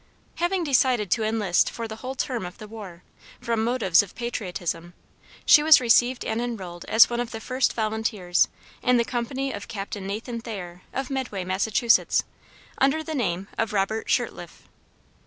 Having decided to enlist for the whole term of the war, from motives of patriotism, she was received and enrolled as one of the first volunteers in the company of Captain Nathan Thayer, of Medway, Massachusetts, under the name of Robert Shirtliffe.